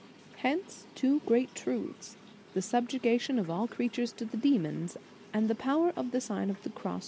Hence two great truths; the subjection of all creatures to the demons, and the power of the * Ori^en, Comm.